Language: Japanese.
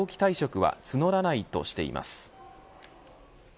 早期退職は募らないとしています。